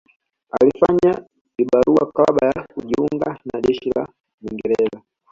Alifanya vibarua kabla ya kujiunga na jeshi la Mwingereza